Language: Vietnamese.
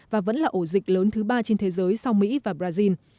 và vẫn là ổ dịch lớn thứ ba trên thế giới sau mỹ và brazil